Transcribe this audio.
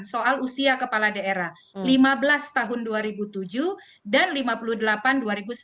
soal usia kepala daerah lima belas tahun dua ribu tujuh dan lima puluh delapan dua ribu sembilan belas